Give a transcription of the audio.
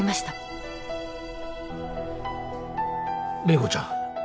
麗子ちゃん